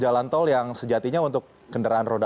jalan tol yang sejatinya untuk kendaraan roda